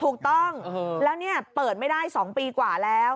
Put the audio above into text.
ถูกต้องแล้วเนี่ยเปิดไม่ได้๒ปีกว่าแล้ว